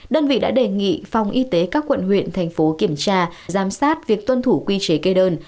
đơn vị đã đề nghị phòng y tế các quận huyện thành phố kiểm tra giám sát việc tuân thủ quy chế kê đơn